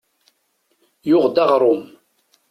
Yuɣ-d aɣrum.